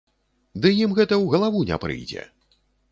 Ды ім гэта ў галаву не прыйдзе!